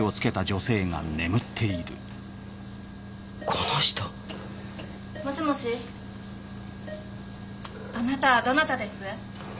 この人もしもしあなたはどなたです？